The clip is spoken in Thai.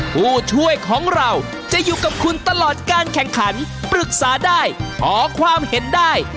ผู้ช่วยของเราจะอยู่กับคุณตลอดการแข่งขันปรึกษาได้ขอความเห็นได้